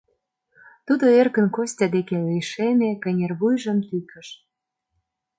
Тудо эркын Костя деке лишеме, кынервуйжым тӱкыш.